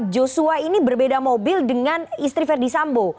joshua ini berbeda mobil dengan istri verdi sambo